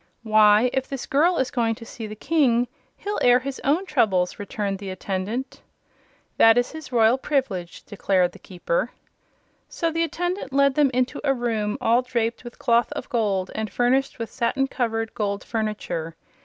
"Why, if this girl is going to see the King, he'll air his own troubles," returned the attendant. "That is his royal privilege," declared the Keeper. So the attendant led them into a room all draped with cloth of gold and furnished with satin covered gold furniture.